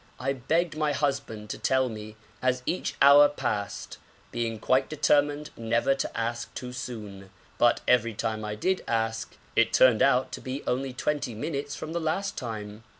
I begged my husband to tell me as each hour passed, being quite determined never to ask too soon, but every time I did ask it turned out to be only twenty minutes from the last time.